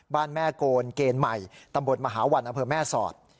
แม่โกนเกณฑ์ใหม่ตำบลมหาวันอำเภอแม่สอด